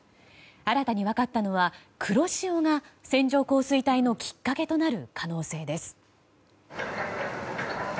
新たに分かったのは黒潮が線状降水帯のきっかけとなる可能性です。